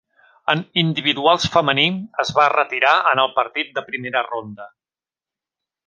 En individuals femení, es va retirar en el partit de primera ronda.